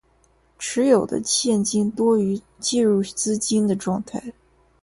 持有的现金多于借入资金的状态